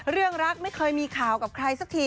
เรื่องรักไม่เคยมีข่าวกับใครสักที